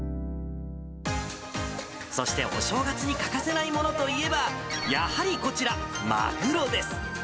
そして、お正月に欠かせないものといえば、やはりこちら、マグロです。